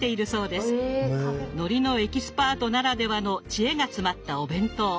のりのエキスパートならではの知恵が詰まったお弁当。